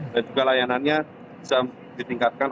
dan juga layanannya bisa ditingkatkan